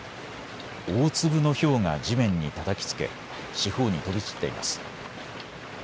大粒のひょうが地面にたたきつけ四方に飛び散っています。